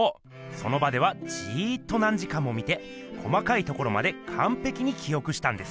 その場ではじっと何時間も見て細かいところまでかんぺきにきおくしたんです。